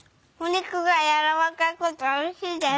肉がやわらかくておいしいです。